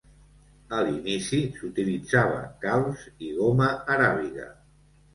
A l'inici s'utilitzava calç i goma aràbiga.